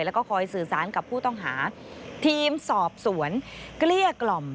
แล้วก็คอยสื่อสารกับผู้ต้องหาทีมสอบสวนเกลี้ยกล่อม